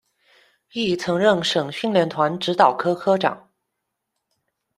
亦曾任省训练团指导科科长。